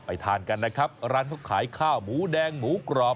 ทานกันนะครับร้านเขาขายข้าวหมูแดงหมูกรอบ